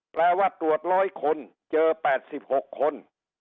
แปลว่าตรวจ๑๐๐คนเจอ๘๖คน